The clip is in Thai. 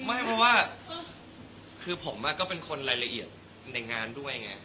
ไม่เพราะว่าคือผมก็เป็นคนรายละเอียดในงานด้วยไง